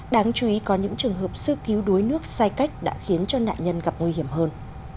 đáng chú ý có những trường hợp sư cứu đuối nước sai cách đã khiến cho nạn nhân gặp nguy hiểm hơn